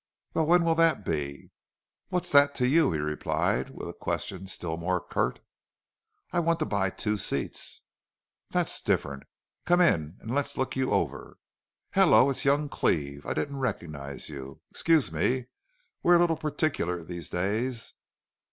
"Well, when will that be?" "What's that to you?" he replied, with a question still more curt. "I want to buy seats for two." "That's different. Come in and let's look you over.... Hello! it's young Cleve. I didn't recognize you. Excuse me. We're a little particular these days."